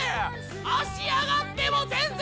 足上がっても全然